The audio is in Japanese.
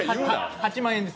８万円です。